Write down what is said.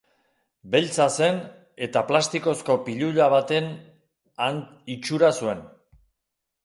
Beltza zen, eta plastikozko pilula baten itxura zuen.